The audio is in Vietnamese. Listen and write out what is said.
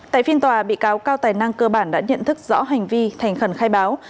tại phiên tòa bị cáo cao tài năng cơ bản đã nhận thức rõ hành vi thành khẩn khai báo